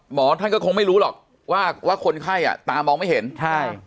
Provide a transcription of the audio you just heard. หมอท่านก็คงไม่รู้หรอกว่าว่าคนไข้อ่ะตามองไม่เห็นใช่